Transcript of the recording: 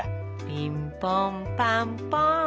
「ピンポンパンポン」